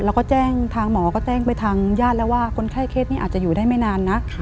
แล้วก็แจ้งทางหมอก็แจ้งไปทางญาติแล้วว่าคนไข้เคสนี้อาจจะอยู่ได้ไม่นานนะ